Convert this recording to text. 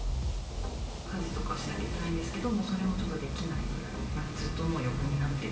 家事とかしなきゃいけないんですけれども、もうそれもちょっとできないぐらい、ずっともう横になってる。